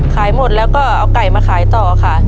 ขายหมดแล้วก็เอาไก่มาขายต่อค่ะ